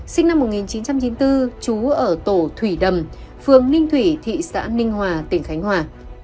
sinh năm một nghìn chín trăm chín mươi bốn trú ở tổ thủy đầm phường ninh thủy thị xã ninh hòa tỉnh khánh hòa